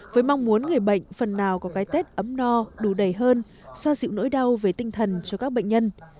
với mong muốn người bệnh phần nào có cái tết ấm no đủ đầy hơn so dịu nỗi đau về tinh thần cho các bệnh nhân